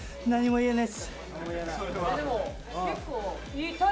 何も言えない？